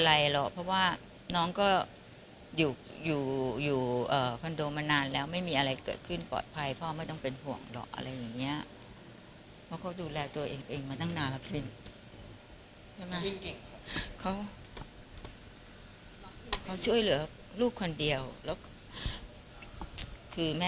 ทำทุกอย่างเองอะว่าไม่มีคนช่วยดูแลแล้วแม่คนเดียวอะ